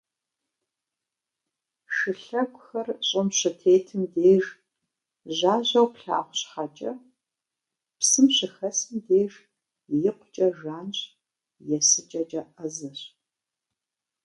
Шылъэгухэр щӏым щытетым деж жьажьэу плъагъу щхьэкӏэ, псым щыхэсым деж икъукӏэ жанщ, есыкӏэкӏэ ӏэзэщ.